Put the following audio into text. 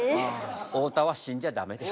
太田は死んじゃダメです。